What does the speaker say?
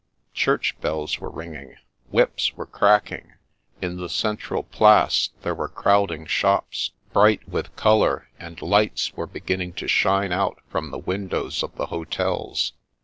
Church bells were ringing, whips were cracking; in the central place there were crowding shops, bright with colour, and lights were beginning to shine out from the windows of the hotels.